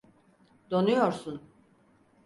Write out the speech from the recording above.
Donuyorsun.